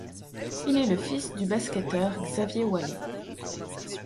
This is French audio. Il est le fils du basketteur Xavier Wallez.